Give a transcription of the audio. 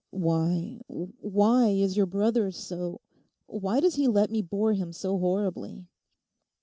'Why—why is your brother so—why does he let me bore him so horribly?